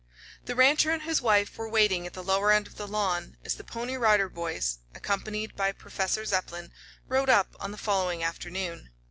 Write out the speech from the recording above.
The rancher and his wife were waiting at the lower end of the lawn as the Pony Rider Boys, accompanied by Professor Zepplin, rode up on the following afternoon.